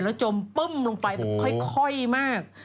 แล้วจมปึ้มลงไปแบบค่อยมาก